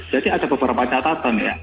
jadi ada beberapa catatan ya